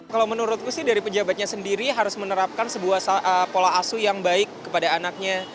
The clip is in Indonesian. kalau menurutku sih dari pejabatnya sendiri harus menerapkan sebuah pola asu yang baik kepada anaknya